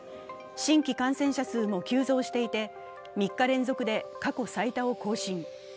新規感染者数も急増していて３日連続で過去最多を更新。